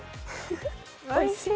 おいしい。